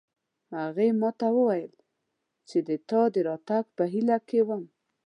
هغې ما ته وویل چې د تا د راتګ په هیله کې وم